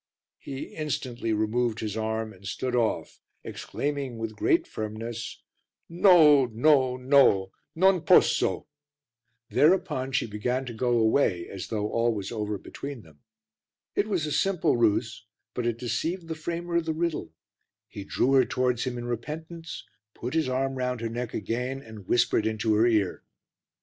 He instantly removed his arm and stood off, exclaiming with great firmness "No, no, no, non posso!" Thereupon she began to go away as though all was over between them. It was a simple ruse, but it deceived the framer of the riddle; he drew her towards him in repentance, put his arm round her neck again and whispered into her ear.